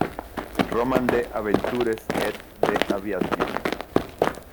Roman D`aventures Et D`aviation".